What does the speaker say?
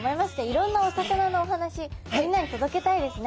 いろんなお魚のお話みんなに届けたいですね。